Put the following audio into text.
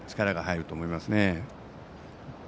力が入ると思いますね。